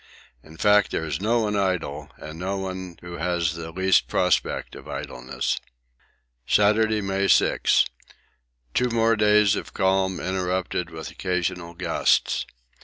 In fact there is no one idle, and no one who has the least prospect of idleness. Saturday, May 6. Two more days of calm, interrupted with occasional gusts.